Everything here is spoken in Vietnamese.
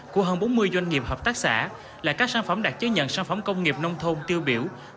của hơn bốn mươi doanh nghiệp hợp tác xã là các sản phẩm đặc chế nhận sản phẩm công nghiệp nông thôn tiêu biểu